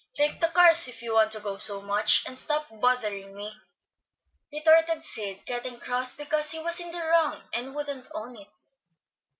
Take the cars, if you want to go so much, and stop bothering me," retorted Sid, getting cross because he was in the wrong and wouldn't own it.